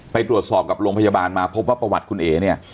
ไปตรวจสอบกับโรงพยาบาลมาพบว่าประวัติคุณเอ๋เนี่ย